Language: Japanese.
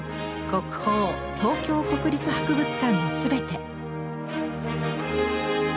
「国宝東京国立博物館のすべて」。